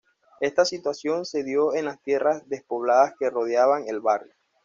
Esta situación se dio en las tierras despobladas que rodeaban al barrio.